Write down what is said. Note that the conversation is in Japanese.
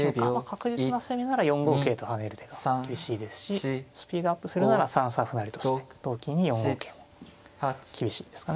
確実な攻めなら４五桂と跳ねる手が厳しいですしスピードアップするなら３三歩成として同金に４五桂も厳しいですかね。